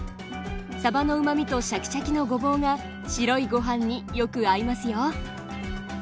さばのうまみとシャキシャキのごぼうが白いご飯によく合いますよ。